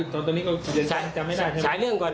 ตอนตอนนี้ก็จะจำไม่ได้